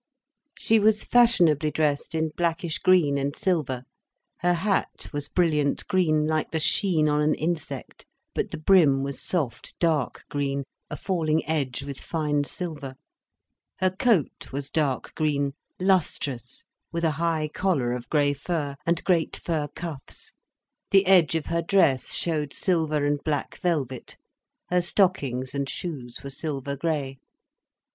She was fashionably dressed in blackish green and silver, her hat was brilliant green, like the sheen on an insect, but the brim was soft dark green, a falling edge with fine silver, her coat was dark green, lustrous, with a high collar of grey fur, and great fur cuffs, the edge of her dress showed silver and black velvet, her stockings and shoes were silver grey.